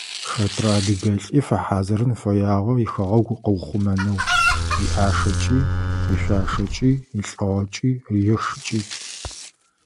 Хэтрэ адыгэлӀи фэхьазырын фэягъэ ихэгъэгу къыухъумэнэу иӀашэкӀи, ишъуашэкӀи, илӀыгъэкӀи, ишыкӀи.